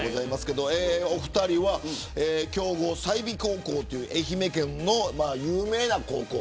お二人は強豪、済美高校という愛媛県の有名な高校。